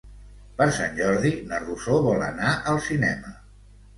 Per Sant Jordi na Rosó vol anar al cinema.